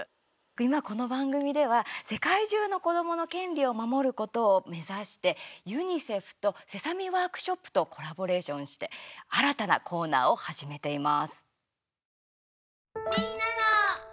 今この番組では世界中の子どもの権利を守ることを目指してユニセフとセサミワークショップとコラボレーションして新たなコーナーを始めています。